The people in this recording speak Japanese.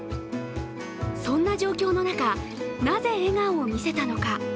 そんな状況の中、なぜ笑顔が見せたのか。